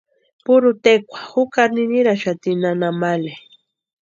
Purhu tekwa jukari niniraxati nana Male.